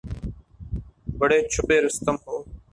بڑے چھپے رستم ہو